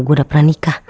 gue udah pernah nikah